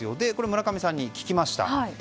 村上さんに聞きました。